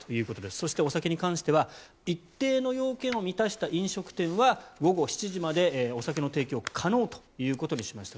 そしてお酒に関しては一定の要件を満たした飲食店は午後７時までお酒の提供可能ということにしました。